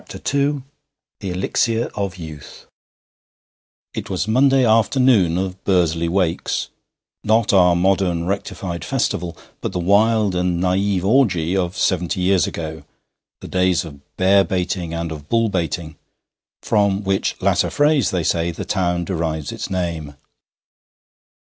THE ELIXIR OF YOUTH It was Monday afternoon of Bursley Wakes not our modern rectified festival, but the wild and naïve orgy of seventy years ago, the days of bear baiting and of bull baiting, from which latter phrase, they say, the town derives its name.